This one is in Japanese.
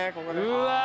うわ。